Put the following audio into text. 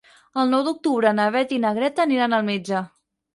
El nou d'octubre na Beth i na Greta aniran al metge.